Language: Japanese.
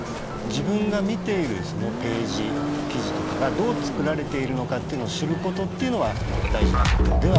自分が見ているそのページ記事とかがどう作られているのかっていうのを知ることっていうのは大事なことではありますね。